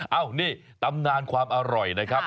เอ้านี่ตำนานความอร่อยนะครับ